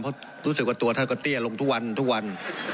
เพราะรู้สึกว่าตัวท่านก็เตี้ยลงทุกวันทุกวัน